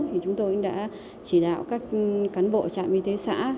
thì chúng tôi cũng đã chỉ đạo các cán bộ trạm y tế xã